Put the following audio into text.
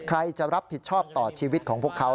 ใครจะรับผิดชอบต่อชีวิตของพวกเขา